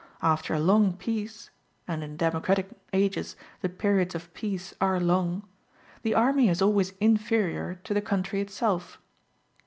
After a long peace and in democratic ages the periods of peace are long the army is always inferior to the country itself.